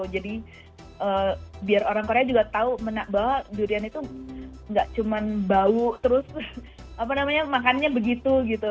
jadi biar orang korea juga tahu bahwa durian itu enggak cuma bau terus apa namanya makannya begitu gitu